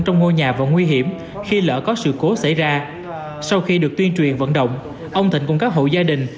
trong ngôi nhà và nguy hiểm khi lỡ có sự cố xảy ra sau khi được tuyên truyền vận động ông thịnh cùng các hộ gia đình